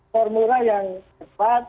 formula yang tepat